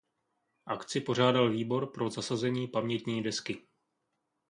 Akci pořádal výbor pro zasazení pamětní desky.